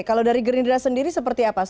kalau dari gerindra sendiri seperti apa